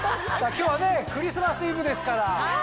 今日はねクリスマスイブですから。